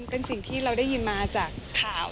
เป็นสิ่งที่เราได้ยินมาจากข่าว